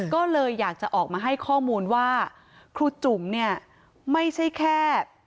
ก็เลยอยากจะออกมาให้ข้อมูลว่าครูจุ๋มเนี่ยไม่ใช่แค่